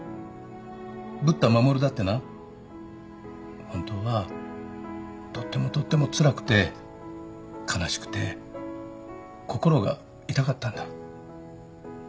ぶった護だってな本当はとってもとってもつらくて悲しくて心が痛かったんだ。